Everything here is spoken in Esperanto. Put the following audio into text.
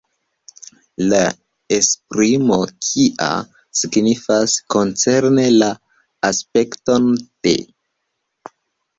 La esprimo “kia” signifas "koncerne la aspekton de".